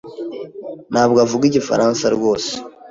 ntabwo avuga igifaransa rwose.